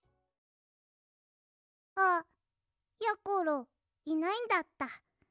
あやころいないんだった。